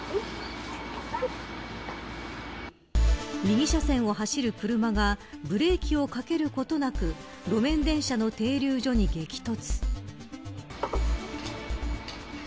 右車線を走る車がブレーキをかけることなく路面電車の停留所に激突。